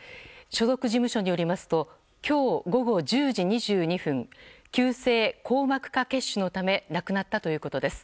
所属事務所によりますと今日午後１０時２２分急性硬膜下血腫のため亡くなったということです。